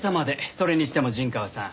それにしても陣川さん